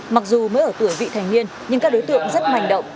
mặc dù mới ở tuổi vị thành niên nhưng các đối tượng rất manh động